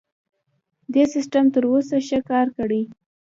دې سیستم تر اوسه ښه کار کړی.